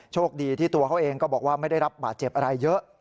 โชคดีที่ตัวเขาเองก็บอกว่าไม่ได้รับบาดเจ็บอะไรเยอะ